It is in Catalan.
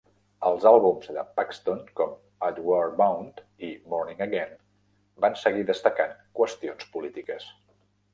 Els àlbums de Paxton com "Outward Bound" i "Morning Again" van seguir destacant qüestions polítiques.